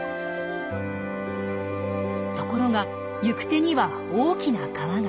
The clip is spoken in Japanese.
ところが行く手には大きな川が。